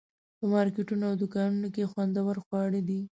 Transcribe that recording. په مارکیټونو او دوکانونو کې خوندور خواړه دي.